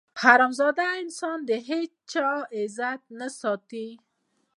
حرامزاده انسان د هېچا عزت نه ساتي.